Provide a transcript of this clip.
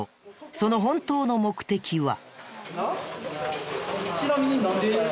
その本当の目的は。